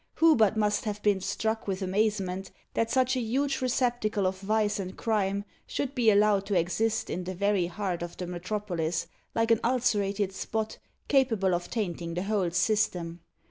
Who but must have been struck with amazement, that such a huge receptacle of vice and crime should be allowed to exist in the very heart of the metropolis, like an ulcerated spot, capable of tainting the whole system!